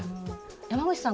山口さん